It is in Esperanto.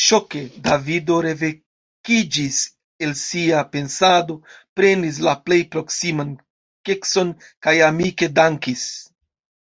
Ŝoke Davido revekiĝis el sia pensado, prenis la plej proksiman kekson kaj amike dankis.